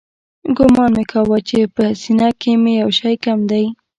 ګومان مې کاوه چې په سينه کښې مې يو شى کم دى.